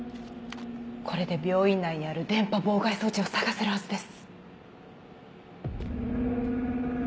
これで病院内にある電波妨害装置を探せるはずです。